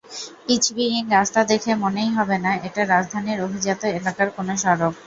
পিচবিহীন রাস্তা দেখে মনেই হবে না, এটা রাজধানীর অভিজাত এলাকার কোনো সড়ক।